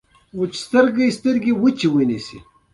د میرمنو کار د زدکړو دوام مرسته کوي.